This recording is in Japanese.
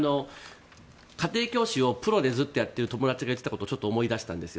家庭教師をプロでずっとやっている友達をちょっと思い出したんです。